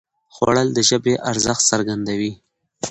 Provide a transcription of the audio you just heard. خوړل د ژبې ارزښت څرګندوي